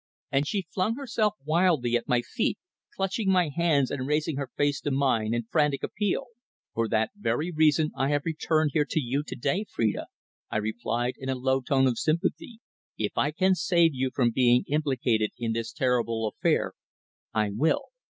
And she flung herself wildly at my feet, clutching my hands and raising her face to mine in frantic appeal. "For that very reason I have returned here to you to day, Phrida," I replied in a low tone of sympathy. "If I can save you from being implicated in this terrible affair, I will.